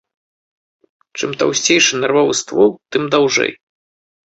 Чым таўсцейшы нервовы ствол, тым даўжэй.